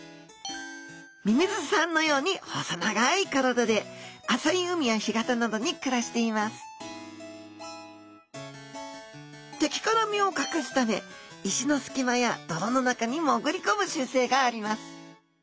ミミズさんのように細長い体で浅い海や干潟などに暮らしています敵から身を隠すため石のすき間や泥の中に潜り込む習性があります